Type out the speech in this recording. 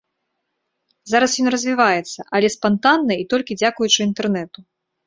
Зараз ён развіваецца, але спантанна і толькі дзякуючы інтэрнэту.